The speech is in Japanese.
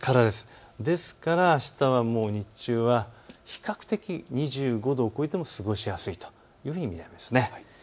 ですからあしたは日中は比較的２５度を超えても過ごしやすいというふうに見られます。